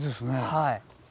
はい。